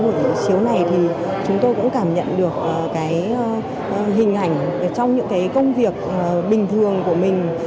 qua buổi chiếu này thì chúng tôi cũng cảm nhận được hình ảnh trong những công việc bình thường của mình